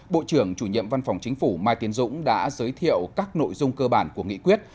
bộ trưởng chủ nhiệm văn phòng chính phủ mai tiến dũng đã giới thiệu các nội dung cơ bản của nghị quyết